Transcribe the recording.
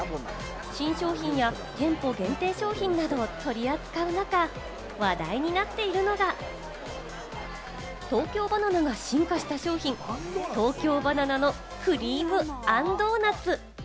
新商品や店舗限定商品などを取り扱う中、話題になっているのが、東京ばな奈が進化した商品、東京ばな奈のクリームあんドーナツ。